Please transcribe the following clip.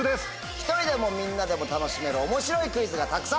１人でもみんなでも楽しめる面白いクイズがたくさん！